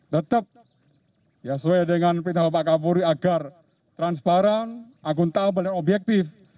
tetap ya sesuai dengan pindahan pak kapuri agar transparan aguntabel dan objektif